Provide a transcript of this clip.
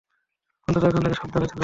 অন্তত এখন থেকে সাবধানে থেকো।